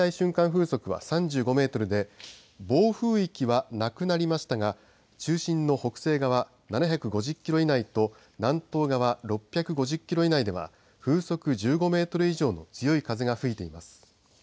風速は３５メートルで暴風域はなくなりましたが中心の北西側７５０キロ以内と南東側６５０キロ以内では風速１５メートル以上の強い風が吹いています。